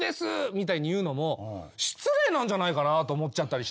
みたいに言うのも失礼なんじゃないかなと思っちゃったりして。